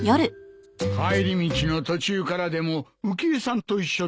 帰り道の途中からでも浮江さんと一緒だと安心だな。